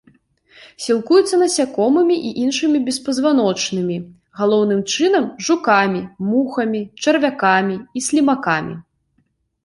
Сілкуецца насякомымі і іншымі беспазваночнымі, галоўным чынам жукамі, мухамі, чарвякамі і слімакамі.